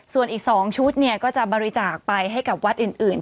ส่วนอีก๒ชุดก็จะบริจาคไปให้กับวัดอื่น